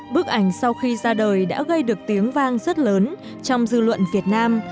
bức ảnh sau khi ra đời đã gây được tiếng vang rất lớn trong dư luận việt nam